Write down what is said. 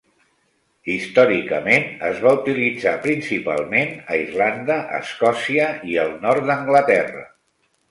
Històricament es va utilitzar principalment a Irlanda, Escòcia i el nord d'Anglaterra.